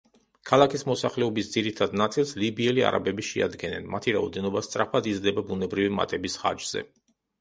ქალაქის მოსახლეობის ძირითად ნაწილს ლიბიელი არაბები შეადგენენ, მათი რაოდენობა სწრაფად იზრდება ბუნებრივი მატების ხარჯზე.